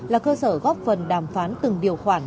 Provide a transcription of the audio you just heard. là cơ sở góp phần đàm phán từng điều khoản